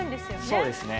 そうですね。